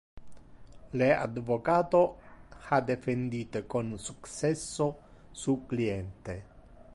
Le advocato ha defendite con successo su cliente.